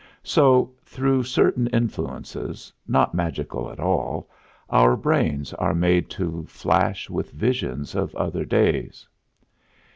So, through certain influences, not magical at all, our brains are made to flash with visions of other days.